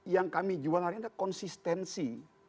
yang kami jual hari ini adalah konsistensi